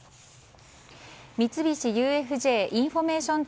三菱ＵＦＪインフォメーション